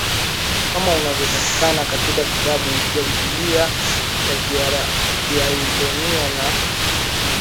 kama unavyopatikana katika vitabu vya Biblia ya Kiebrania na Deuterokanoni